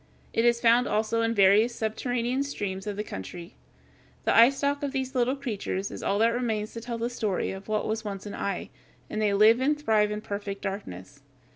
It is found also in various subterranean streams of the country. The eyestalk of these little creatures is all that remains to tell the story of what was once an eye, and they live and thrive in perfect darkness.